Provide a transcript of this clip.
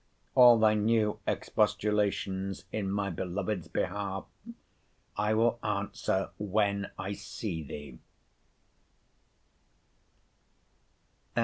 All thy new expostulations in my beloved's behalf I will answer when I see thee.